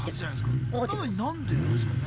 なのに何でなんすかね？